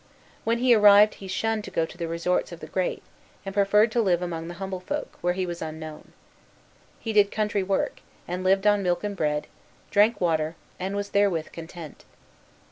When he arrived he shunned to go to the resorts of the great, and preferred to live among the humble folk, where he was unknown. He did country work, and lived on milk and bread, drank water, and was therewith content.